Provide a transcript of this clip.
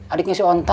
adiknya si onta